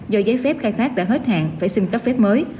do giấy phép khai thác đã hết hạn phải xin cấp phép mới